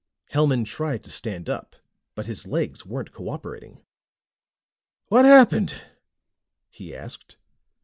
Hellman tried to stand up, but his legs weren't cooperating. "What happened?" he asked.